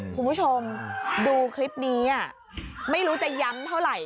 คุณผู้ชมดูคลิปนี้ไม่รู้จะย้ำเท่าไหร่